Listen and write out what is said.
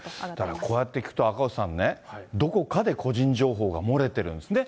だからこうやって聞くと、赤星さんね、どこかで個人情報が漏れてるんですね。